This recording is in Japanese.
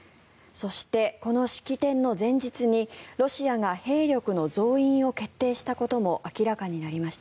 そして、この式典の前日にロシアが兵力の増員を決定したことも明らかになりました。